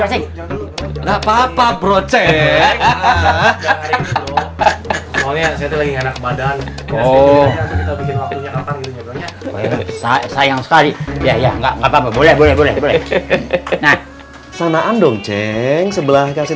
ya nggak papa bro cek hahaha oh sayang sekali ya nggak boleh boleh sanaan dong ceng sebelah kasih